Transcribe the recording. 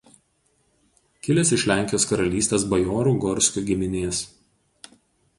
Kilęs iš Lenkijos karalystės bajorų Gorskių giminės.